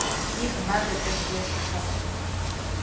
იგი ღრმა დეპრესიაში ჩავარდა.